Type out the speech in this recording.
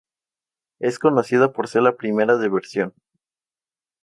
Es conocida por ser la primera de versión.